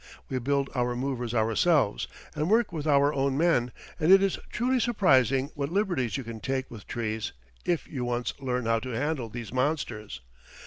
We build our movers ourselves, and work with our own men, and it is truly surprising what liberties you can take with trees, if you once learn how to handle these monsters.